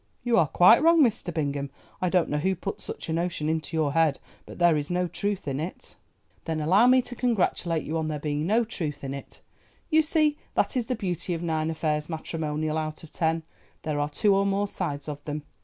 "You are quite wrong, Mr. Bingham; I don't know who put such a notion into your head, but there is no truth in it." "Then allow me to congratulate you on there being no truth in it. You see that is the beauty of nine affairs matrimonial out of ten—there are two or more sides of them.